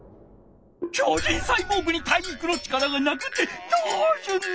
超人サイボーグに体育の力がなくってどうすんの！？